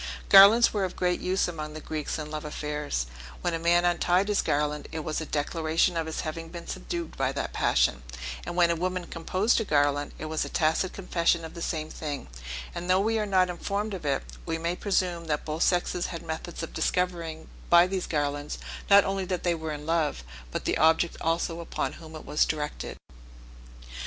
Garlands were of great use among the Greeks in love affairs; when a man untied his garland, it was a declaration of his having been subdued by that passion; and when a woman composed a garland, it was a tacit confession of the same thing: and though we are not informed of it, we may presume that both sexes had methods of discovering by these garlands, not only that they were in love, but the object also upon whom it was directed.